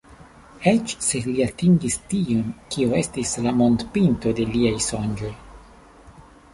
Eĉ se li atingis tion, kio estis la montpinto de liaj sonĝoj."